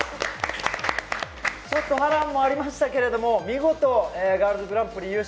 ちょっと波乱もありましたけれども、見事、ガールズグランプリ優勝。